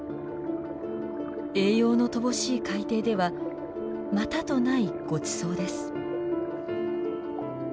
栄養の乏しい海底ではまたとないごちそうです。